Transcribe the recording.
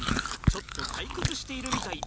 ちょっと退屈しているみたい。